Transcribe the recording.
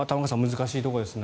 難しいところですね。